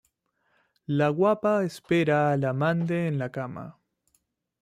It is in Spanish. La guapa espera al amante en la cama.